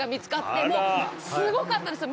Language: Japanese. もうすごかったんですよ